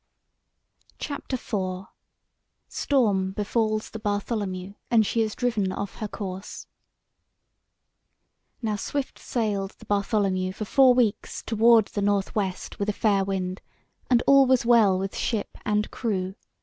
CHAPTER IV: STORM BEFALLS THE BARTHOLOMEW, AND SHE IS DRIVEN OFF HER COURSE Now swift sailed the Bartholomew for four weeks toward the north west with a fair wind, and all was well with ship and crew.